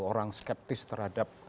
orang skeptis terhadap